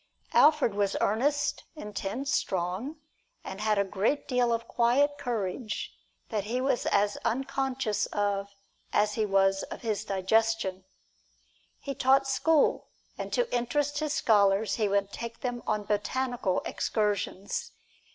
Alfred was earnest, intent, strong, and had a deal of quiet courage that he was as unconscious of as he was of his digestion. He taught school, and to interest his scholars he would take them on botanical excursions.